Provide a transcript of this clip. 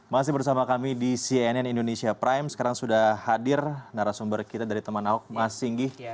masih bersama kami di cnn indonesia prime sekarang sudah hadir narasumber kita dari teman ahok mas singgih